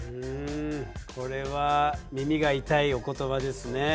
これは耳が痛いお言葉ですね。